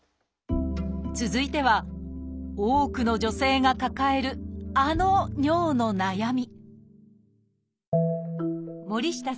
続いては多くの女性が抱えるあの尿の悩み